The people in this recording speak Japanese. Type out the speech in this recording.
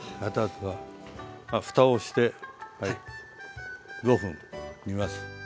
あっふたをして５分煮ます。